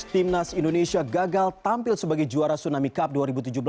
timnas indonesia gagal tampil sebagai juara tsunami cup dua ribu tujuh belas